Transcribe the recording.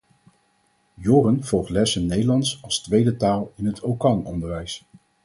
Joren volgt lessen Nederlands als tweede taal in het okan-onderwijs.